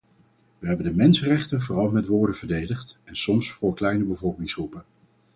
We hebben de mensenrechten vooral met woorden verdedigd, en soms voor kleine bevolkingsgroepen.